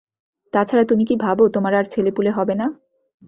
তা ছাড়া তূমি কি ভাব, তোমার আর ছেলেপুলে হবে না ।